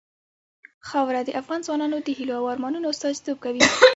خاوره د افغان ځوانانو د هیلو او ارمانونو استازیتوب کوي.